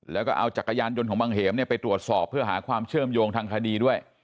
แล้วก็เอาจักรยานยนต์ของบังเหมไปตรวจสอบเพื่อหาความเชื่อมโยงทางคดีด้วย